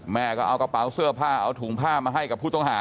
แม่ก็เอากระเป๋าเสื้อผ้าเอาถุงผ้ามาให้กับผู้ต้องหา